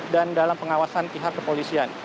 dan dalam pengawasan pihak kepolisian